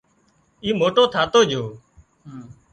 اي موٽو ٿاتو جھو